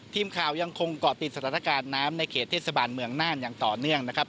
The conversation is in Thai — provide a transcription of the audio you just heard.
ทีมข่าวยังคงเกาะติดสถานการณ์น้ำในเขตเทศบาลเมืองน่านอย่างต่อเนื่องนะครับ